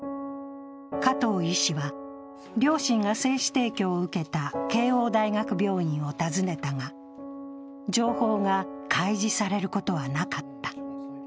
加藤医師は、両親が精子提供を受けた慶応大学病院を訪ねたが、情報が開示されることはなかった。